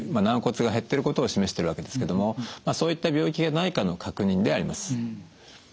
軟骨が減ってることを示してるわけですけどもそういった病気がないかの確認であります。